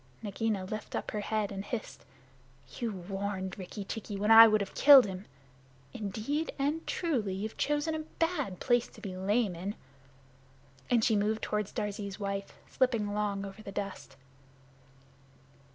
Nagaina lifted up her head and hissed, "You warned Rikki tikki when I would have killed him. Indeed and truly, you've chosen a bad place to be lame in." And she moved toward Darzee's wife, slipping along over the dust.